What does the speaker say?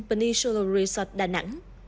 peninsula resort đà nẵng